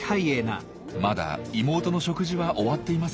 まだ妹の食事は終わっていません。